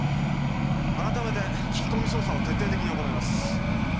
改めて聞き込み捜査を徹底的に行います。